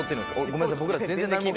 ごめんなさい。